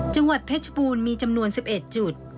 จังหวัดเพชรบูรณ์มีจำนวน๑๑จุด